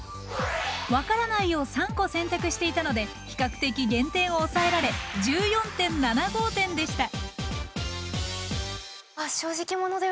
「わからない」を３個選択していたので比較的減点を抑えられ１４．７５点でした。